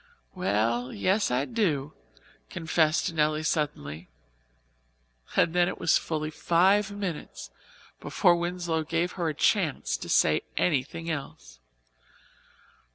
"Well, yes, I do," confessed Nelly suddenly; and then it was fully five minutes before Winslow gave her a chance to say anything else.